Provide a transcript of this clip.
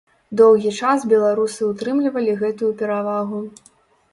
Доўгі час беларусы ўтрымлівалі гэтую перавагу.